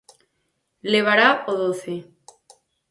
Levará o doce.